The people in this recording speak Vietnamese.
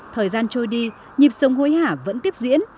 thời gian trôi đi nhịp sông hối hả vẫn tiếp diễn